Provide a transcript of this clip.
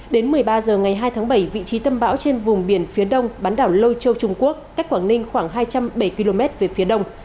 đến một mươi ba h ngày hai tháng bảy vị trí tâm bão trên vùng biển phía đông bán đảo lôi châu trung quốc cách quảng ninh khoảng hai trăm bảy km về phía đông